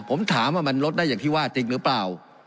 ผมถามว่ามันลดได้อย่างที่ว่าจริงหรือเปล่า